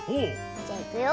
じゃいくよ。